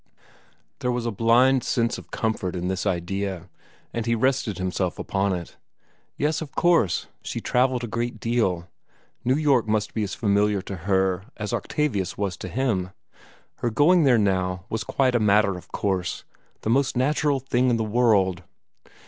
There was a blind sense of comfort in this idea, and he rested himself upon it. Yes, of course, she travelled a great deal. New York must be as familiar to her as Octavius was to him. Her going there now was quite a matter of course the most natural thing in the world.